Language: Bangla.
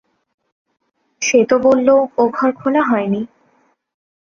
সে তো বলল, ও ঘর খোলা হয় নি।